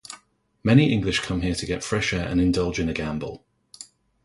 Many English come here to get fresh air and indulge in a gamble.